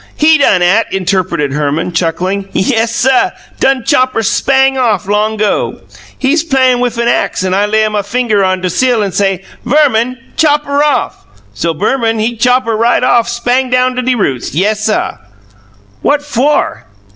"HE done 'at," interpreted Herman, chuckling. "Yessuh; done chop 'er spang off, long 'go. He's a playin' wif a ax an' I lay my finguh on de do' sill an' I say, 'Verman, chop 'er off!' So Verman he chop 'er right spang off up to de roots! Yessuh." "What FOR?"